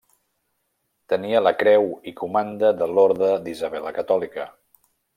Tenia la Creu i Comanda de l'Orde d'Isabel la Catòlica.